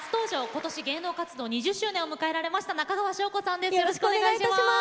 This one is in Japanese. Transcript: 今年、芸能活動２０周年を迎えました中川翔子さんです。